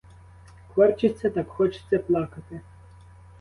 Корчиться — так хочеться плакати.